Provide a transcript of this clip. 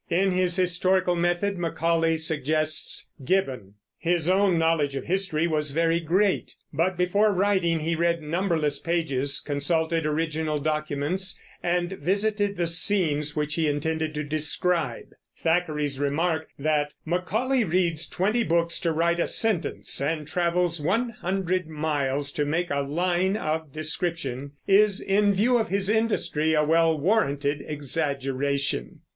In his historical method Macaulay suggests Gibbon. His own knowledge of history was very great, but before writing he read numberless pages, consulted original documents, and visited the scenes which he intended to describe. Thackeray's remark, that "Macaulay reads twenty books to write a sentence and travels one hundred miles to make a line of description," is, in view of his industry, a well warranted exaggeration.